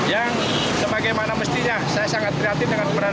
yang sebagaimana mestinya saya sangat kreatif dengan peran mereka